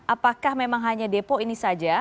apakah memang hanya depo ini saja